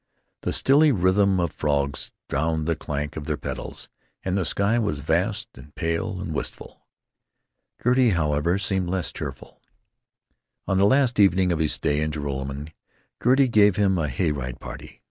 The stilly rhythm of frogs drowned the clank of their pedals, and the sky was vast and pale and wistful. Gertie, however, seemed less cheerful. On the last evening of his stay in Joralemon Gertie gave him a hay ride party.